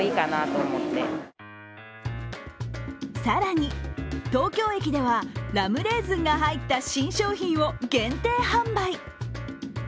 更に、東京駅ではラムレーズンが入った新商品を限定販売。